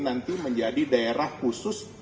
nanti menjadi daerah khusus